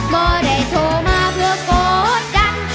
บ่ได้โทรมาเพื่อโกรธกัน